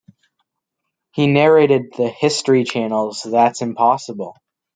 He narrated the History Channel's "That's Impossible".